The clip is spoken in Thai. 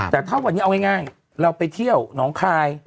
แต่ถ้าวันนี้เอาง่ายเราไปเที่ยวน้องคาย